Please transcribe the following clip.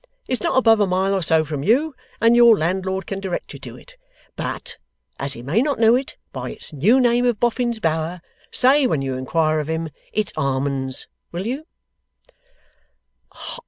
It's not above a mile or so from you, and your landlord can direct you to it. But as he may not know it by its new name of Boffin's Bower, say, when you inquire of him, it's Harmon's; will you?